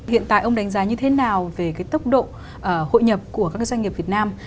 hiện tại ông đánh giá như thế nào về cái tốc độ hội nhập của các doanh nghiệp việt nam